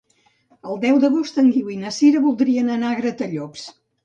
El deu d'agost en Guiu i na Sira voldrien anar a Gratallops.